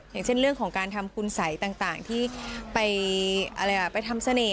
อย่างเช่นเรื่องของการทำคุณสัยต่างที่ไปทำเสน่ห